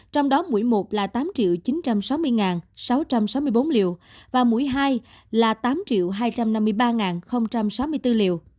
trong đó mũi một là tám chín trăm sáu mươi sáu trăm sáu mươi bốn liều và mũi hai là tám hai trăm năm mươi ba sáu mươi bốn liều